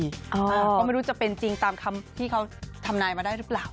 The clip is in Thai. ก็ไม่รู้จะเป็นจริงตามคำที่เขาทำนายมาได้หรือเปล่า